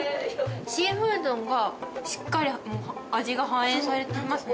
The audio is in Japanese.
シーフードがしっかり味が反映されてますね。